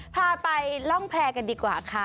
พาไปร่องแพร่กันดีกว่าค่ะ